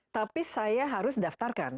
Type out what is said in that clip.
tapi saya harus daftarkan